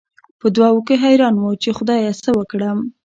په دوو کې حېران وو، چې خدايه څه وکړم؟